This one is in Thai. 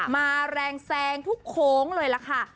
มาแรงแซงทุกโค้งเลยล่ะค่ะ